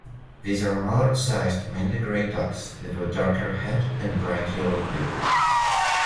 These are mallard-sized mainly grey ducks with a darker head and bright yellow bill.